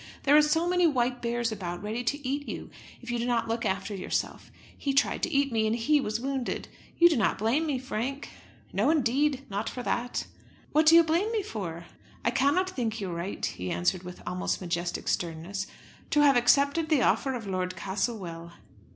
There are so many white bears about, ready to eat you, if you do not look after yourself. He tried to eat me, and he was wounded. You do not blame me, Frank." "No, indeed; not for that." "What do you blame me for?" "I cannot think you right," he answered with almost majestic sternness, "to have accepted the offer of Lord Castlewell."